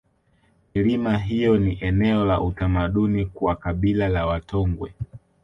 milima hiyo ni eneo la utamaduni kwa kabila la watongwe